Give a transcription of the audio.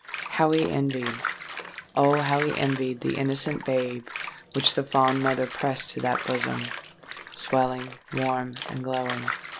How he envied—Oh! how he envied the innocent babe which the fond mother pressed to that bosom—swelling, warm, and glowing!